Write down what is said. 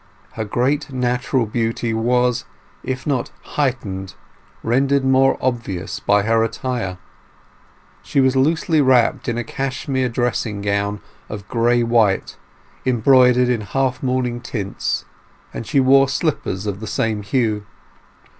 Her great natural beauty was, if not heightened, rendered more obvious by her attire. She was loosely wrapped in a cashmere dressing gown of gray white, embroidered in half mourning tints, and she wore slippers of the same hue.